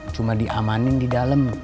cuma diamanin di dalam